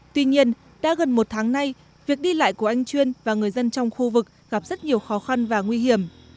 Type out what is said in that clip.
tuy nhiên đã gần một tháng nay việc đi lại của anh chuyên và người dân trong khu vực gặp rất nhiều khó khăn và nguy hiểm